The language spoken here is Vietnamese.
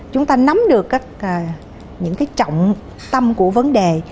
chúng ta nắm được những cái trọng tâm của vấn đề